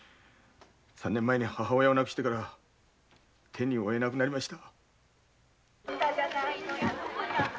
三年前に母親を亡くしてから手に負えなくなりました。